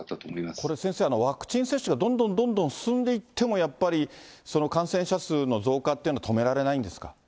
これ先生、ワクチン接種がどんどんどんどん進んでいっても、やっぱり感染者数の増加というのは止められないんですか。